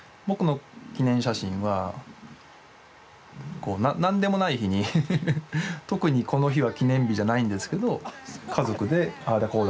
僕の記念写真は何でもない日に特にこの日は記念日じゃないんですけど家族でああだ